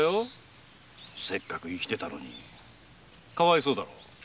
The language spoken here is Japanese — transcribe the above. せっかく生きてたのにかわいそうだろ？